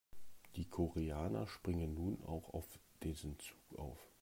Die Koreaner springen nun auch auf diesen Zug auf.